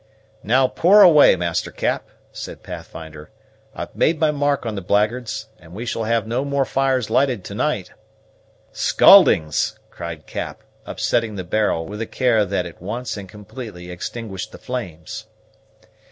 "Now, pour away, Master Cap," said Pathfinder; "I've made my mark on the blackguards; and we shall have no more fires lighted to night." "Scaldings!" cried Cap, upsetting the barrel, with a care that at once and completely extinguished the flames.